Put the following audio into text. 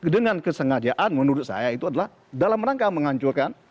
dengan kesengajaan menurut saya itu adalah dalam rangka menghancurkan